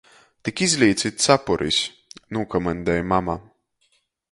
"Tik izlīcit capuris!" nūkomaņdej mama.